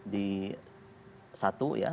di satu ya